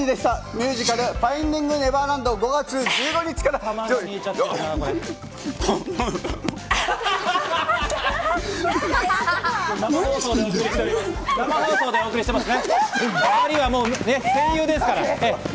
ミュージカル『ファインディング・ネバーランド』は５月１５日か生放送でお送りしております。